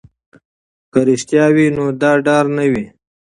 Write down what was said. که رښتیا وي نو ډار نه وي.